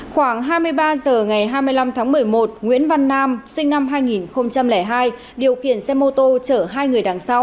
khoảng hai mươi ba h ngày hai mươi năm tháng một mươi một nguyễn văn nam sinh năm hai nghìn hai điều khiển xe mô tô chở hai người đằng sau